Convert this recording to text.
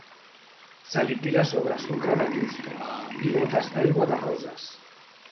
Se li tira a sobre sucre de llustre, i gotes d'aigua de roses.